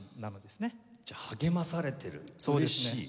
じゃあ励まされてる嬉しい。